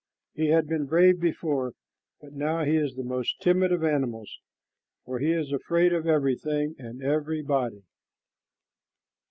He had been brave before, but now he is the most timid of animals, for he is afraid of everything and everybody.